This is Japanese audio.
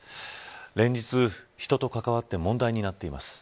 連日、人と関わって問題になっています。